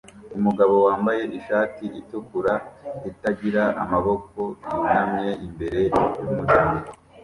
Umugabo wambaye ishati itukura itagira amaboko yunamye imbere yumuryango